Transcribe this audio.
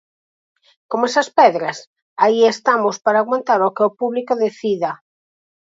Como esas pedras, aí estamos para aguantar o que o público decida.